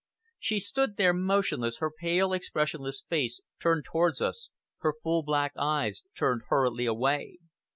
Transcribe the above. She stood there motionless, her pale, expressionless face turned towards us, her full black eyes turned hurriedly away.